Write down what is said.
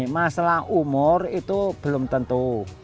masalah umur itu belum tentu